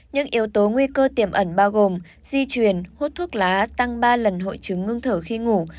những yếu tố nguy cơ tiềm ẩn bao gồm di truyền hút thuốc lá tăng ba lần hội chứng ngưng thở khi ngủ